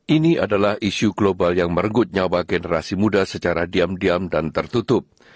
ini adalah isu global yang merenggut nyawa generasi muda secara diam diam dan tertutup